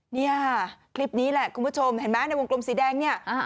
นี่ค่ะคลิปนี้แหละคุณผู้ชมเห็นไหมในวงกลมสีแดงเนี่ย